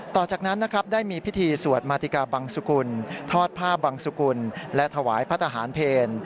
ต่อจากนั้นนะครับได้มีพิธีสวดมาติกาบังสุกุลทอดผ้าบังสุกุลและถวายพระทหารเพล